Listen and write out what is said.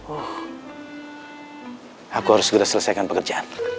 oh aku harus segera selesaikan pekerjaan